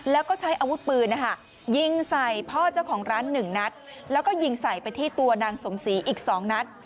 แล้วก็ใช้อาวุธปืนนะคะยิงใส่พ่อเจ้าของร้านหนึ่งนัดแล้วก็ยิงใส่ไปที่ตัวนางสมศรีอีก๒นัด